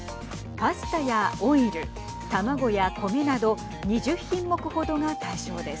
パスタやオイル、卵や米など２０品目程が対象です。